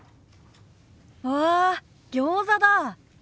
わあギョーザだ。